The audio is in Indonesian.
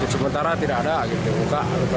sementara tidak ada luka luka